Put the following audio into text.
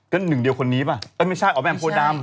ก็หนึ่งเดียวคนนี้ป่ะเอ้ยไม่ใช่อ๋อแบมโพดำ